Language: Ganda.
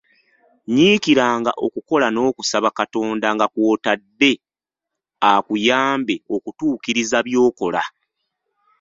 Nyiikiranga okukola, n'okusaba Katonda nga kw'otadde, akuyambe okutuukiriza by'okola.